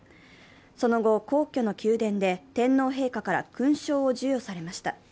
その後皇居の宮殿で天皇陛下から勲章を授与されました。